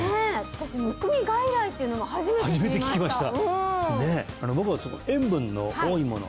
私むくみ外来っていうのも初めて知りました